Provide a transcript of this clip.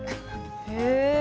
へえ。